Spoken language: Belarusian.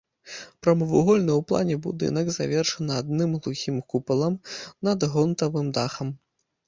Прамавугольны ў плане будынак, завершаны адным глухім купалам над гонтавым дахам.